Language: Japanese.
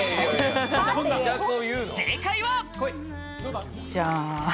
正解は。